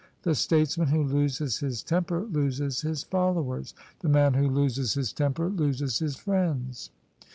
The statesman who loses his tem per loses his followers: the man who loses his temper loses his friends."